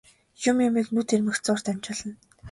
Юм юмыг нүд ирмэх зуурт амжуулна.